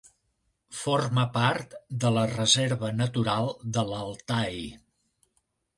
Forma part de la Reserva Natural de l'Altai.